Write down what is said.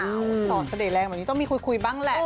ตอนสด่ายแรงเหมือนนี้ต้องมีคุยบ้างแหละนะ